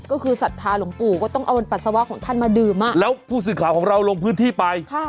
ก็คือศรัทธาหลวงปู่ก็ต้องเอาปัสสาวะของท่านมาดื่มอ่ะแล้วผู้สื่อข่าวของเราลงพื้นที่ไปค่ะ